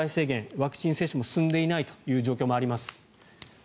ワクチン接種も進んでいない状況もあります。